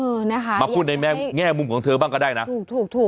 เออนะคะมาพูดในแง่มุมของเธอบ้างก็ได้นะถูกถูก